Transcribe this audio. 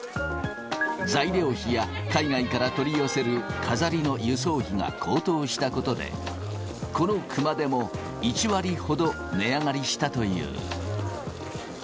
材料費や海外から取り寄せる飾りの輸送費が高騰したことで、この熊手も１割ほど値上がりしたという。